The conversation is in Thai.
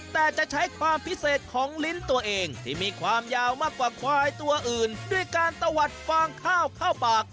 แต่จะใช้ความพิเศษของลิ้นตัวเองที่มีความยาวมากกว่าควายตัวอื่นด้วยการตะวัดฟางข้าวเข้าปาก